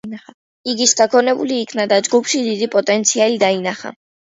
იგი შთაგონებული იქნა და ჯგუფში დიდი პოტენციალი დაინახა.